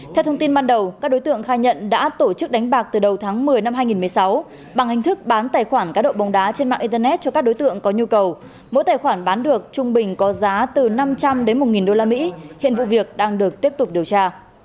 theo thông tin ban đầu các đối tượng khai nhận đã tổ chức đánh bạc từ đầu tháng một mươi năm hai nghìn một mươi sáu bằng hình thức bán tài khoản cá độ bóng đá trên mạng internet cho các đối tượng có nhu cầu mỗi tài khoản bán được trung bình có giá từ năm trăm linh đến một usd hiện vụ việc đang được tiếp tục điều tra